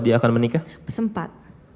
dia akan menikah sempat